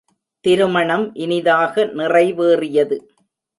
திருமணம் இனிதாக நிறைவேறியது.